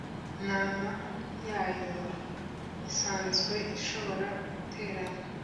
Nama yayo isanzwe ishobora guterana